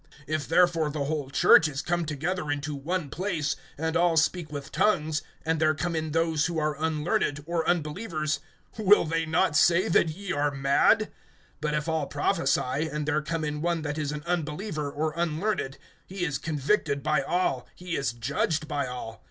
(23)If therefore the whole church is come together into one place, and all speak with tongues, and there come in those who are unlearned, or unbelievers, will they not say that ye are mad? (24)But if all prophesy, and there come in one that is an unbeliever, or unlearned, he is convicted by all, he is judged by all.